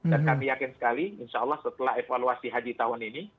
dan kami yakin sekali insya allah setelah evaluasi haji tahun ini